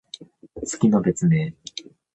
月の別名。